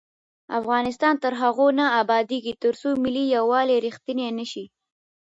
افغانستان تر هغو نه ابادیږي، ترڅو ملي یووالی رښتینی نشي.